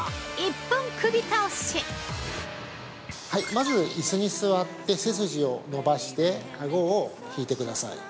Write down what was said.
◆まず、椅子に座って背筋を伸ばしてあごを引いてください。